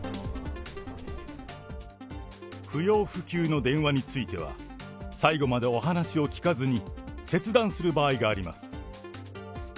不要不急の電話については、最後までお話を聞かずに切断する場合があります。